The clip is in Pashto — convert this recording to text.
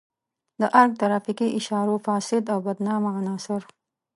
د ارګ ترافیکي اشارو فاسد او بدنامه عناصر.